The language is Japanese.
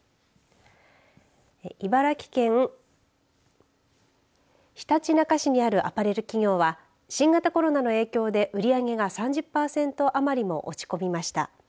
茨城県ひたちなか市にあるアパレル企業は新型コロナの影響で売り上げが３０パーセント余りも落ち込みました。